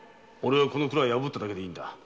この蔵を破っただけでいいんだ。